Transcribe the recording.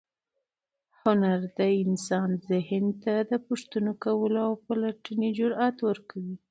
هنر د انسان ذهن ته د پوښتنې کولو او پلټنې جرات ورکوي.